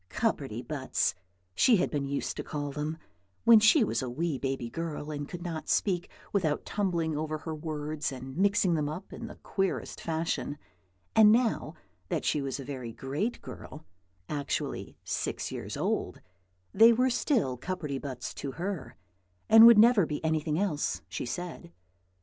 "Cupperty buts," she had been used to call them, when she was a wee baby girl and could not speak without tumbling over her words and mixing them up in the queerest fashion; and now that she was a very great girl, actually six years old, they were still cupperty buts to her, and would never be anything else, she said.